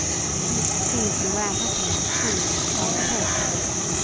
She must have seen some rare happenings, too — by report.